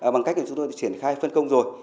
bằng cách chúng tôi đã triển khai phân công rồi